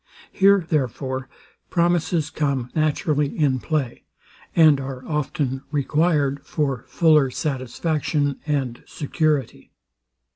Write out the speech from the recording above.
Here, therefore, promises come naturally in play, and are often required for fuller satisfaction and security.